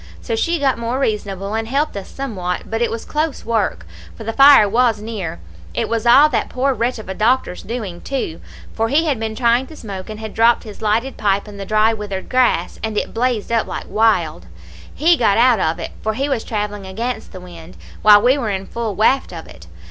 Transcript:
So she got more reasonable, and helped us somewhat, but it was close work, for the fire was near. It was all that poor wretch of a doctor's doing, too, for he had been trying to smoke, and had dropped his lighted pipe in the dry withered grass, and it blazed up like wild; he got out of it, for he was travelling against the wind, while we were in full waft of it.